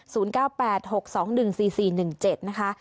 เก้าแปดหกสองหนึ่งสี่สี่หนึ่งเจ็ดนะคะ